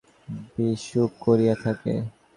ভয় হইল পাছে কাহারো অসুখ-বিসুখ করিয়া থাকে।